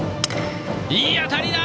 いい当たりだ！